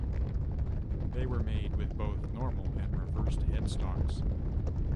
They were made with both normal and reversed headstocks.